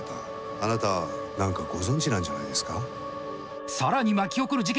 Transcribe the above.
あなた何かご存じなんじゃないですか？